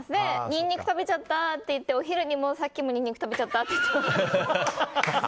ニンニク食べちゃったって言ってお昼にも、さっきもニンニク食べちゃったって言って。